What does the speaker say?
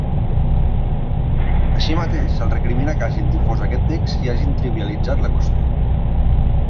Així mateix, els recrimina que hagin difós aquest text i hagin ‘trivialitzat’ la qüestió.